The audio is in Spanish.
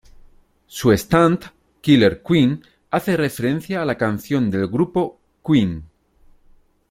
Su Stand, Killer Queen, hace referencia a la canción del grupo Queen.